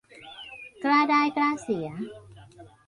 กล้าได้กล้าเสีย